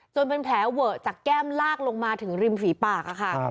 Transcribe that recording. เป็นแผลเวอะจากแก้มลากลงมาถึงริมฝีปากค่ะ